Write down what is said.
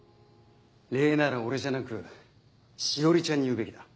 礼なら俺じゃなく詩織ちゃんに言うべきだ。